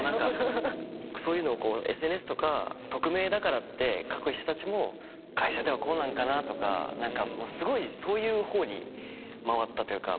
そういうのをＳＮＳとか匿名だからって書く人たちも会社ではこうなのかなとかすごいそういう方に回ったというか。